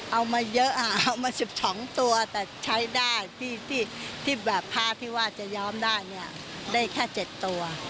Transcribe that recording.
เอามาเยอะเอามา๑๒ตัวแต่ใช้ได้ที่แบบพระที่ว่าจะยอมได้เนี่ยได้แค่๗ตัว